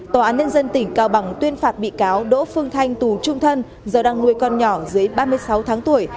tòa án nhân dân tỉnh cao bằng tuyên phạt bị cáo đỗ phương thanh tù trung thân do đang nuôi con nhỏ dưới ba mươi sáu tháng tuổi